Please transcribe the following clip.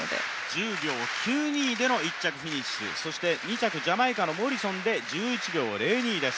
１０秒９２での１着フィニッシュ、２着ジャマイカのモリソンで１１秒０２です。